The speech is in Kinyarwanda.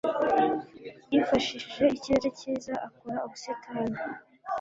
yifashishije ikirere cyiza akora ubusitani